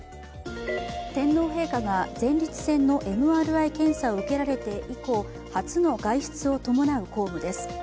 天皇陛下が前立腺のＭＲＩ検査を受けられて以降、初の外出を伴う公務です。